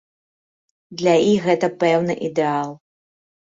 Для іх гэта пэўны ідэал.